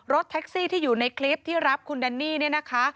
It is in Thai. รถแท็กซี่ที่อยู่ในคลิปที่รับคุณแดนนี่เนี่ยนะคะ